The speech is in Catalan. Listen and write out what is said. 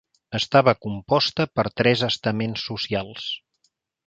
Estava composta per tres estaments socials:.